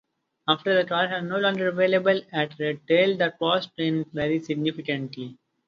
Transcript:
After the cars are no longer available at retail the cost can vary significantly.